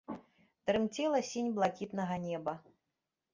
Трымцела сінь блакітнага неба.